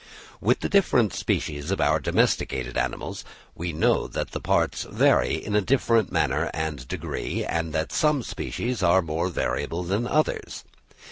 With the different species of our domesticated animals we know that the parts vary in a different manner and degree, and that some species are much more variable than others.